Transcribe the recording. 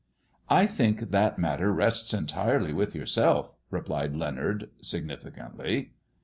" I think that matter rests entirely with yourself," replied Leonard, significantly.